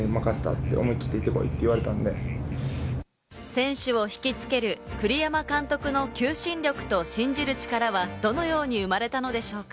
選手を引きつける栗山監督の求心力と信じる力は、どのように生まれたのでしょうか？